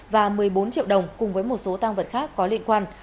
và một mươi bốn triệu đồng cùng với một số tăng vật khác có liên quan